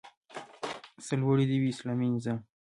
سرلوړی دې وي اسلامي نظام